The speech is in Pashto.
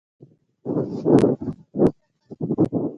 هېواد د پرمختګ هڅه کوي.